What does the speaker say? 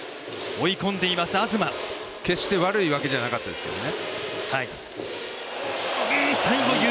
決して悪いわけじゃなかったですけどね。